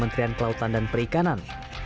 kementerian kelautan dan perikanan